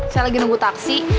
saya lagi nunggu taksi